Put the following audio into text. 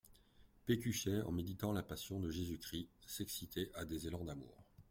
Pécuchet en méditant la Passion de Jésus-Christ s'excitait à des élans d'amour.